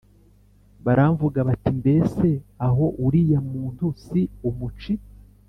Baramvuga bati Mbese aho uriya muntu si umuci